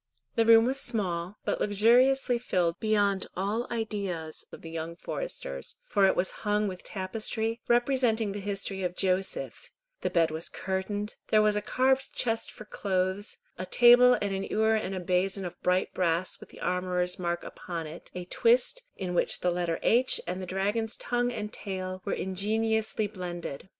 The room was small, but luxuriously filled beyond all ideas of the young foresters, for it was hung with tapestry, representing the history of Joseph; the bed was curtained, there was a carved chest for clothes, a table and a ewer and basin of bright brass with the armourer's mark upon it, a twist in which the letter H and the dragon's tongue and tail were ingeniously blended.